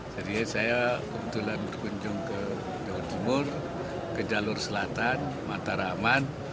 jadi saya kebetulan berkunjung ke jawa timur ke jalur selatan mataramat